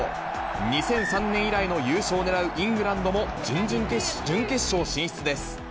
２００３年以来の優勝を狙うイングランドも、準決勝進出です。